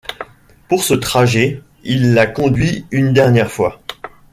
Pour ce trajet, il la conduit une dernière fois.